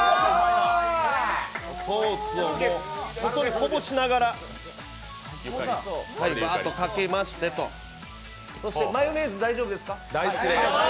外にこぼしながら、ばーっとかけましてと、そしてマヨネーズ大丈夫ですか？